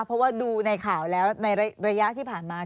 เพราะว่าดูในข่าวแล้วในระยะที่ผ่านมา